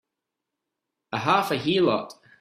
A half a heelot!